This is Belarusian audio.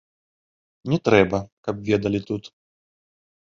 Не трэба, каб ведалі тут.